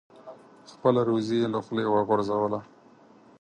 خپله روزي یې له خولې وغورځوله.